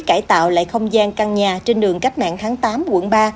cải tạo lại không gian căn nhà trên đường cách mạng tháng tám quận ba